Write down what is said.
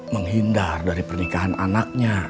menghindar dari pernikahan anaknya